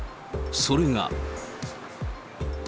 それが。